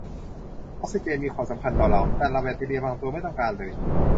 ออกซิเจนมีความสำคัญต่อเรา แต่แบคทีเรียบางตัวไม่ต้องการเลย